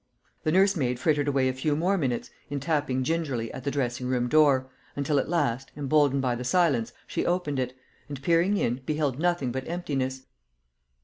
The nursemaid frittered away a few more minutes in tapping gingerly at the dressing room door, until at last, emboldened by the silence, she opened it, and, peering in, beheld nothing but emptiness.